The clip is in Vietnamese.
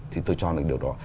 thì tôi cho là điều đó